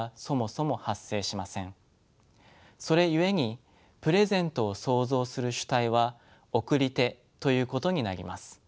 それゆえにプレゼントを創造する主体は送り手ということになります。